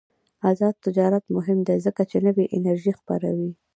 آزاد تجارت مهم دی ځکه چې نوې انرژي خپروي.